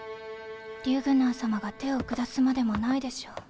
リュグナー様が手を下すまでもないでしょ。